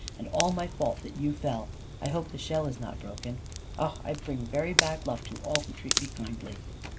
And all my fault that you fell. I hope the shell is not broken. Ah, I bring very bad luck to all who treat me kindly."